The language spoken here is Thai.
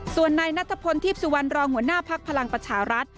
ส่วนในนัตตะพลที่สุวรรณรองค์หัวหน้าพักพลังประชารัฐ